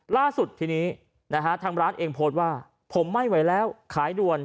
ล่าสุดทีนี้นะฮะทางร้านเองโพสต์ว่าผมไม่ไหวแล้วขายด่วน